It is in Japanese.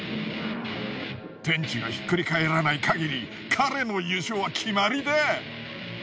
天地がひっくり返らないかぎり彼の優勝は決まりだ。